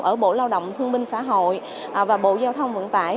ở bộ lao động thương minh xã hội và bộ giao thông vận tải